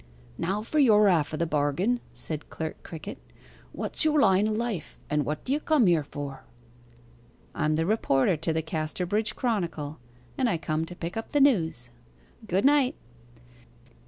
'Now for your half o' the bargain,' said Clerk Crickett. 'What's your line o' life, and what d'ye come here for?' 'I'm the reporter to the Casterbridge Chronicle, and I come to pick up the news. Good night.